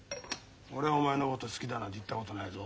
俺はお前のこと「好きだ」なんて言ったことないぞ。